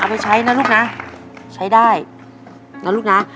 เอาไปใช้นะลูกนะใช้ได้แล้วลูกนะค่ะ